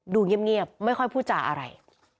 ดูเงียบไม่ค่อยพูดจาอะไร